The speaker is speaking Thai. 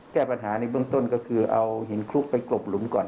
แก้ปัญหาในเบื้องต้นก็คือเอาหินคลุกไปกรบหลุมก่อน